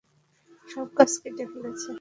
সব গাছ কেটে ফেলেছে?